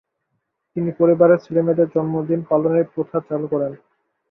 তিনি পরিবারে ছেলেমেয়েদের জন্মদিন পালনের প্রথা চালু করেন।